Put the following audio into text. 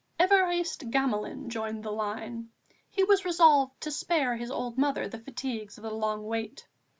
Évariste Gamelin joined the line; he was resolved to spare his old mother the fatigues of the long wait.